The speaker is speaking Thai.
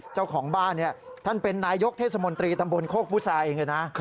เจ้าของบ้านท่านเป็นนายกเทศมนตรีตำบลโคกพุษาเองเลยนะ